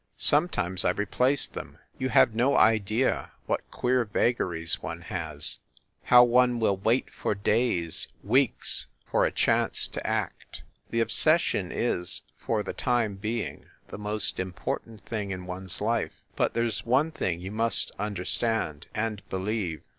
Sometimes I replaced them. You have no idea what queer vagaries one has, how one will 130 FIND THE WOMAN wait for days, weeks, for a chance to act. The ob session is, for the time being, the most important thing in one s life. But there s one thing you must understand, and believe.